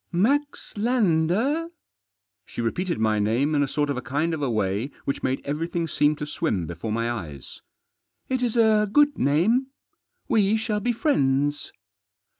" Max Lander ?" She repeated my name in a sort of a kind of a way which made everything seem to swim before my eyes. " It is a good name. We shall be friends."